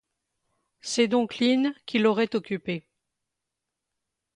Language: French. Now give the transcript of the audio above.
C'est donc Lin qui l'aurait occupé.